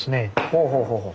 ほうほうほうほう。